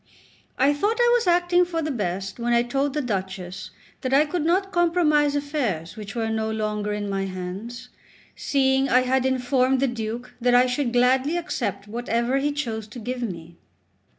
I thought I was acting for the best when I told the Duchess that I could not compromise affairs which were no longer in my hands, seeing I had informed the Duke that I should gladly accept whatever he chose to give me.